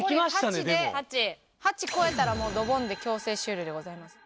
残り８で８超えたらもうドボンで強制終了でございます。